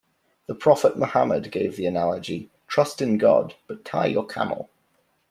The Prophet Muhammad gave the analogy "Trust in God, but tie your camel.".